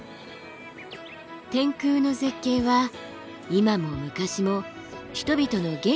天空の絶景は今も昔も人々の元気の源です。